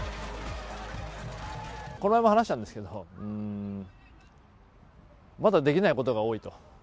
この前も話したんですけど、まだできないことが多いと。